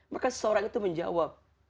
maka seseorang itu menjawab